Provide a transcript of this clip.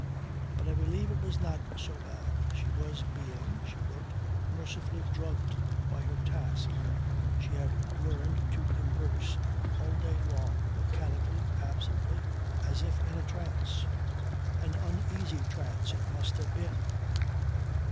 But I believe it was not so bad. She was being, she wrote, mercifully drugged by her task. She had learned to "converse" all day long, mechanically, absently, as if in a trance. An uneasy trance it must have been!